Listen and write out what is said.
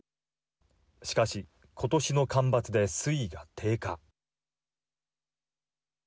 しかし今年の干ばつで水位が低下。